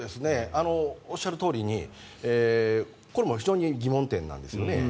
おっしゃるとおりにこれも非常に疑問点なんです。